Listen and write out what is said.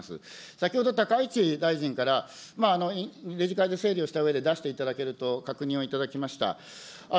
先ほど高市大臣から理事会で整理をしたうえで出していただけると確認をいただきました。